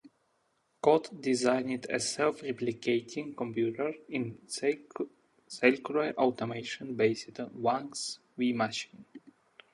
Codd designed a self-replicating computer in the cellular automaton, based on Wang's W-machine.